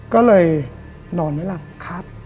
ก็เลยนอนไม่หลับครับ